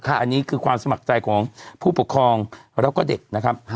อันนี้คือความสมัครใจของผู้ปกครองแล้วก็เด็กนะครับ